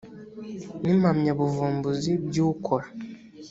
n impamyabuvumbuzi by ukora